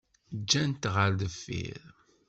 Ǧǧan-t ɣer deffir.